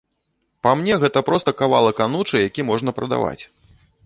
Па мне гэта проста кавалак анучы, які можна прадаваць.